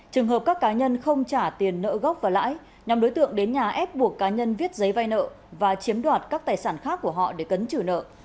trường hợp các cá nhân không trả tiền nợ gốc và lãi nhóm đối tượng đến nhà ép buộc cá nhân viết giấy vay nợ và chiếm đoạt các tài sản khác của họ để cấn trừ nợ